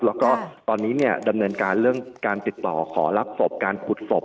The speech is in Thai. แล้วก็ตอนนี้เนี่ยดำเนินการเรื่องการติดต่อขอรับศพการขุดศพ